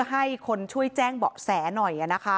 ให้คนช่วยแจ้งเบาะแสหน่อยนะคะ